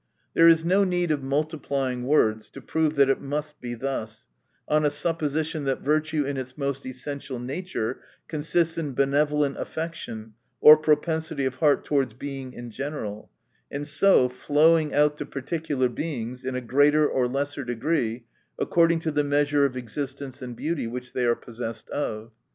There is no need of multiplying words, to prove that it must be thus, on a supposition that virtue, in its most essential nature, consists in benevolent affection or propensity of heart towards Being in general ; and so flowing out to particular Beings, in a greater or less degree, according to the measure of existence and beauty which they are possessed of.